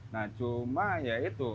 nah cuma ya itu